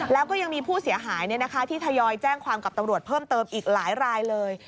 แล้วก็ยังมีผู้เสียหายที่ทยอยแจ้งความกับตำรวจเพิ่มเติมอีกหลายรายเลย